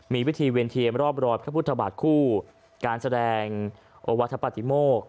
มีวิธีเวียนเทียมรอบรอยพระพุทธบาทคู่การแสดงโอวัฒปฏิโมก